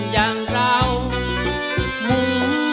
และตามทุกคน